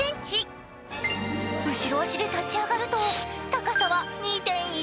後ろ足で立ち上がると高さは２．１ｍ。